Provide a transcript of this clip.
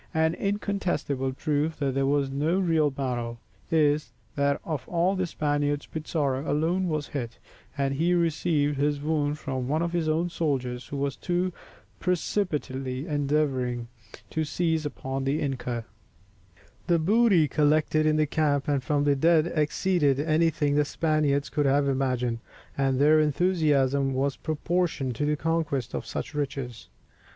An incontestable proof that there was no real battle is, that of all the Spaniards Pizarro alone was hit, and he received his wound from one of his own soldiers who was too precipitately endeavouring to seize upon the inca. [Illustration: Atahualpa is made prisoner. From an old print.] The booty collected in the camp and from the dead exceeded anything the Spaniards could have imagined, and their enthusiasm was proportioned to the conquest of such riches.